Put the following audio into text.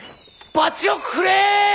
バチをくれ！